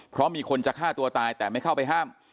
เพราะมีคนจะฆ่าตัวตายแต่ไม่เข้าไปห้าม